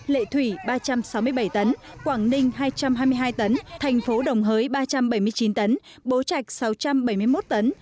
lệ thủy ba trăm sáu mươi bảy tấn quảng ninh hai trăm hai mươi hai tấn thành phố đồng hới ba trăm bảy mươi chín tấn bố trạch sáu trăm bảy mươi một tấn